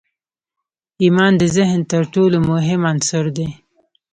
ایمان د ذهن تر ټولو مهم عنصر دی